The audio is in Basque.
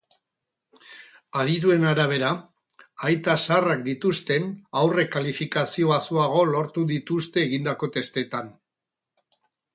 Adituen arabera, aita zaharrak dituzten haurrek kalifikazio baxuagoak lortu dituzte egindako testetan.